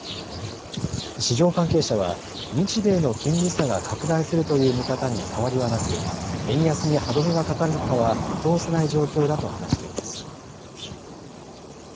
市場関係者は日米の金利差が拡大するという見方に変わりはなく円安に歯止めがかかるかは見通せない状況だと話しています。